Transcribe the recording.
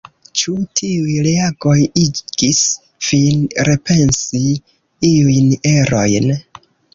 Ĉu tiuj reagoj igis vin repensi iujn erojn?